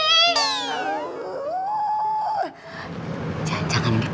pokoknya banyak lagi amit